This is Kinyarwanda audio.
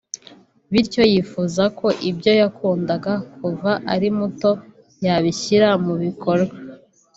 bityo yifuza ko ibyo yakundaga kuva ari muto yabishyira mu bikorwa